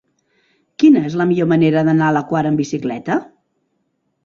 Quina és la millor manera d'anar a la Quar amb bicicleta?